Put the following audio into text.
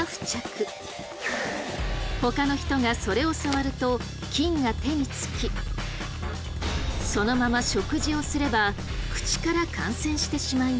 ほかの人がそれを触ると菌が手に付きそのまま食事をすれば口から感染してしまいます。